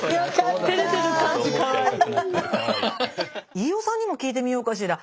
飯尾さんにも聞いてみようかしら。